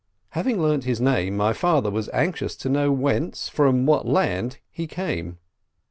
Having learnt his name, my father was anxious to know whence, from what land, he came.